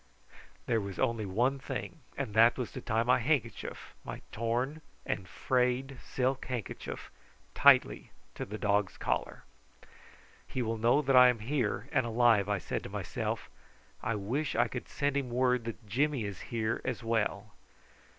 There was only one thing, and that was to tie my handkerchief, my torn and frayed silk handkerchief, tightly to the dog's collar. "He will know that I am here, and alive," I said to myself. "I wish I could send him word that Jimmy is here as well."